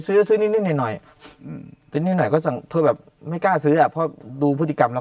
ซื้อซื้อนิดหน่อยก็ไม่กล้าซื้ออ่ะเพราะดูพฤติกรรมแล้ว